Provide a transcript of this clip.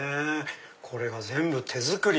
これが全部手作り！